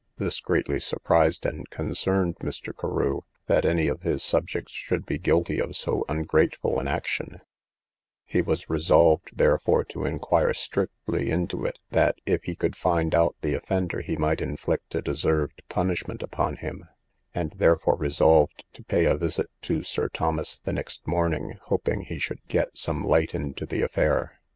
This greatly surprised and concerned Mr. Carew, that any of his subjects should be guilty of so ungrateful an action: he was resolved therefore to inquire strictly into it, that, if he could find out the offender, he might inflict a deserved punishment upon him; and therefore resolved to pay a visit to Sir Thomas the next morning, hoping he should get some light into the affair.